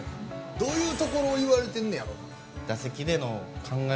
どういうところを言われてんねやろ？